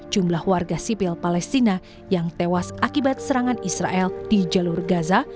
jumlah warga sipil palestina yang tewas akibat serangan israel di jalur gaza